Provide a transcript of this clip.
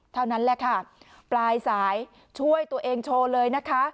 เท่านั้นแหละค่ะปลายสายช่วยตัวเองโชว์เลยนะคะ